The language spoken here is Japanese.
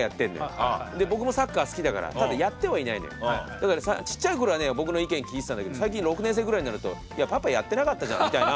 だからちっちゃい頃はね僕の意見聞いてたんだけど最近６年生ぐらいになると「パパやってなかったじゃん」みたいな。